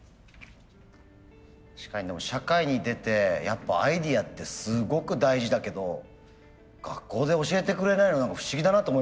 確かにでも社会に出てやっぱアイデアってすごく大事だけど学校で教えてくれないの何か不思議だなと思いました。